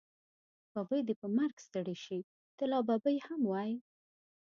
ببۍ دې په مرګ ستړې شې، ته لا ببۍ هم وی.